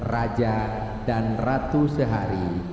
raja dan ratu sehari